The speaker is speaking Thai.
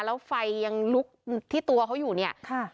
แล้วไฟยังลุกที่ตัวเขาอยู่เนี่ยค่ะ